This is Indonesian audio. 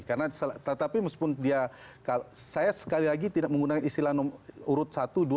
karena tetapi meskipun dia saya sekali lagi tidak menggunakan istilah urut satu dua tiga